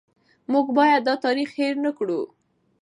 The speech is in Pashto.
موږ باید دا تاریخ هېر نه کړو.